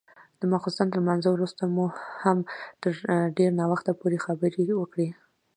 د ماخستن تر لمانځه وروسته مو هم تر ډېر ناوخته پورې خبرې وکړې.